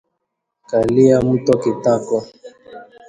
Kalia mtu kitako